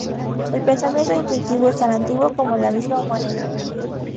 El pensamiento intuitivo es tan antiguo como la misma humanidad.